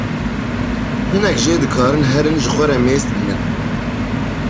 Hinek jê dikarin herin ji xwe re mêst bînin.